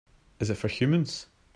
Is it for humans?